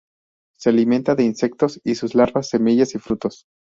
Se alimenta de insectos y sus larvas, semillas y frutos.